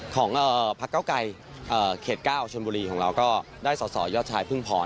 ของพักเก้าไกรเขต๙ชนบุรีของเราก็ได้สอสอยอดชายพึ่งพร